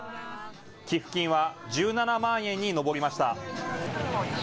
寄付金は１７万円に上りました。